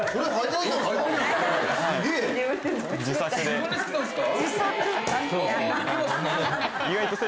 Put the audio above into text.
自分で作ったんですか？